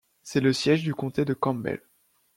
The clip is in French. C’est le siège du comté de Campbell.